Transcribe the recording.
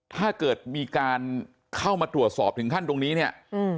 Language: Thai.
ถ้าเกิดมีการเข้ามาตรวจสอบถึงขั้นตรงนี้เนี่ยอืม